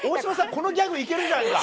このギャグ行けるじゃんか。